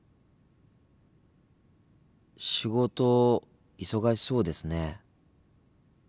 「仕事忙しそうですね」。